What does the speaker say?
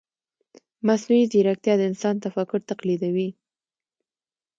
مصنوعي ځیرکتیا د انسان تفکر تقلیدوي.